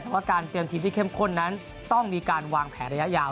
ว่าการเตรียมทีมที่เข้มข้นนั้นต้องมีการวางแผนระยะยาว